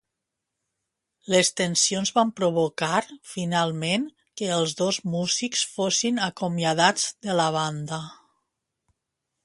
Les tensions van provocar, finalment, que els dos músics fossin acomiadats de la banda.